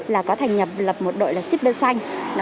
là có thành nhập lập một đội là shipper xanh